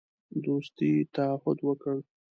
دوستی تعهد وکړ.